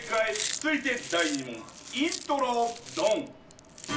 続いて第２問イントロドン。